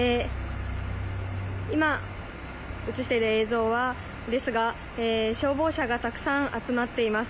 今、写している映像ですが消防車がたくさん集まっています。